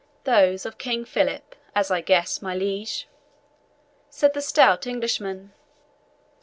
"Those of King Philip, as I guess, my liege," said the stout Englishman.